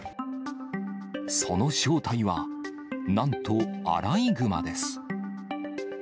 その正体は、なんと、アライグマです。